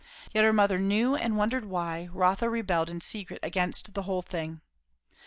Yet her mother knew, and wondered why, Rotha rebelled in secret against the whole thing.